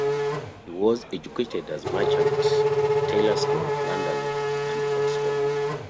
He was educated at Merchant Taylors' School, London, and Oxford.